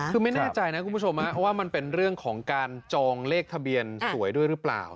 คือไม่แน่ใจนะคุณผู้ชมว่ามันเป็นเรื่องของการจองเลขทะเบียนสวยด้วยหรือเปล่า